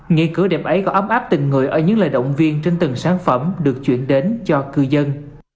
nghị cửa đẹp ấy có ấm áp từng người ở những lợi động viên trên từng sản phẩm được chuyển đến cho cư dân